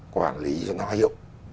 quản lý cho nó hiệu